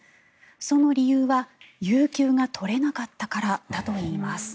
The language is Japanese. その理由は有休が取れなかったからだといいます。